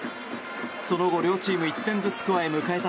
その後、両チーム１点ずつ加え迎えた